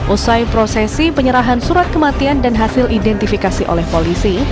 usai prosesi penyerahan surat kematian dan hasil identifikasi oleh polisi